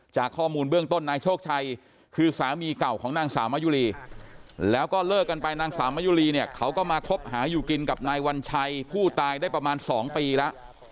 จากข้อมูลเบื้องต้นนายโชคชัยคือสามีเก่าของนางสาวมะยุรีแล้วก็เลิกกันไปนางสาวมะยุรีเนี่ยเขาก็มาคบหาอยู่กินกับนายวัญชัยผู้ตายได้ประมาณ๒ปีแล้ว